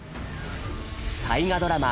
大河ドラマ